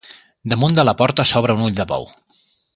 Damunt de la porta s'obre un ull de bou.